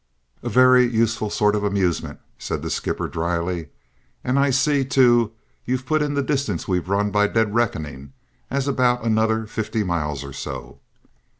"A very useful sort of amusement," said the skipper drily. "And I see, too, you've put in the distance we've run, by dead reckoning, as about another fifty miles or so?"